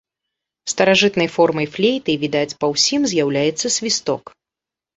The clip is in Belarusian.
Старажытнай формай флейты, відаць па ўсім, з'яўляецца свісток.